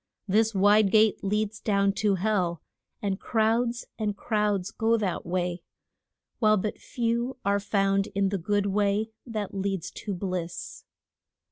This wide gate leads down to hell, and crowds and crowds go that way, while but few are found in the good way that leads to bliss.